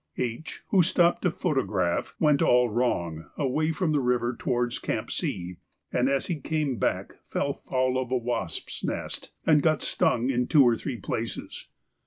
H., who stopped to photograph, went all wrong, away from the river towards Camp C, and as he came back fell foul of a wasp's nest, and got stung in two or three places.